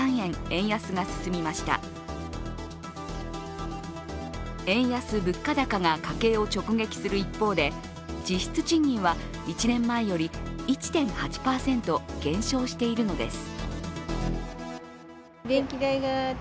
円安・物価高が家計を直撃する一方で、実質賃金は１年前より１．８％減少しているのです。